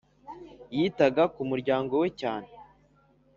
yitaga ku muryango we cyane...